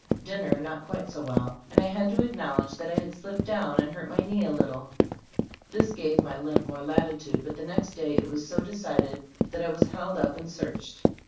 Dinner not quite so well, and I had to acknowl edge that I had slipped down and hurt my knee a little. This gave my limp more latitude, but the next day it was so decided, that I was held up and searched.